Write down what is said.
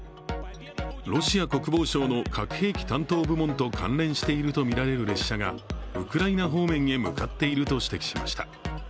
ロシア国防省の核兵器担当部門と関連しているとみられる列車がウクライナ方面へ向かっていると指摘しました。